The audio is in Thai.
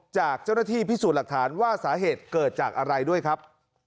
จากเจ้าหน้าที่พิสูจน์หลักฐานว่าสาเหตุเกิดจากอะไรด้วยครับ